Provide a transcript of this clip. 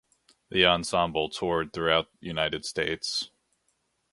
The ensemble toured throughout United States.